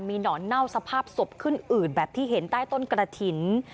มีหนอนเน่าสภาพศพขึ้นอืดแบบที่เห็นใต้ต้นกระถิ่น